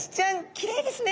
きれいですね。